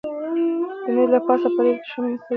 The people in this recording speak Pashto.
د مېز له پاسه پر پرتې شمعې مې سترګې ښخې کړې.